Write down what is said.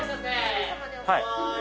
はい。